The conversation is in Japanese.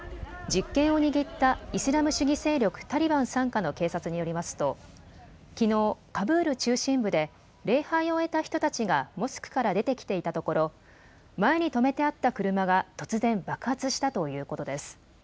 実権を握ったイスラム主義勢力タリバン傘下の警察によりますときのうカブール中心部で礼拝を終えた人たちがモスクから出てきていたところ前に止めてあった車が突然、爆発したということです。